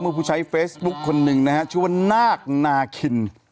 มีผู้ใช้เฟซบุ๊กคนหนึ่งนะครับชื่อว่าน่ากน่ากิน